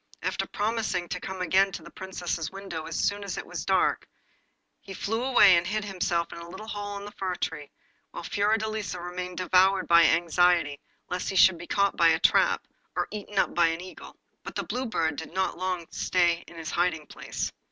After promising to come again to the Princess's window as soon as it was dark, he flew away, and hid himself in a little hole in the fir tree, while Fiordelisa remained devoured by anxiety lest he should be caught in a trap, or eaten up by an eagle. But the Blue Bird did not long stay in his hiding place.